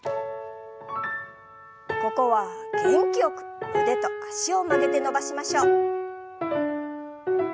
ここは元気よく腕と脚を曲げて伸ばしましょう。